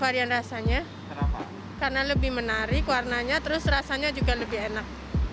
varian rasanya karena lebih menarik warnanya terus rasanya juga lebih enak